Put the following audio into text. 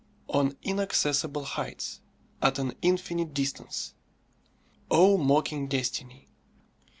On inaccessible heights at an infinite distance. O mocking destiny!